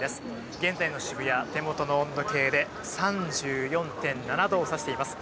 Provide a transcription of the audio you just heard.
現在の渋谷、手元の温度計で３４．７度をさしています。